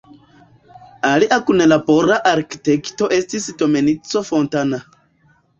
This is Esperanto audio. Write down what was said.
Alia kunlabora arkitekto estis Domenico Fontana.